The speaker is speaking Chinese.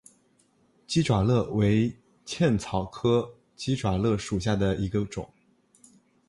鸡爪簕为茜草科鸡爪簕属下的一个种。